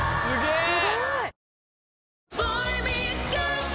すごい！